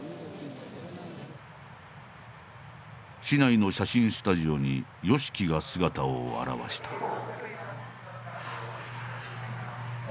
市内の写真スタジオにＹＯＳＨＩＫＩが姿を現した。